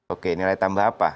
oke nilai tambah apa